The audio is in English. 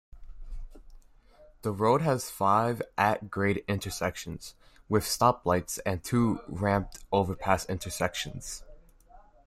The road has five at-grade intersections with stoplights and two ramped overpass intersections.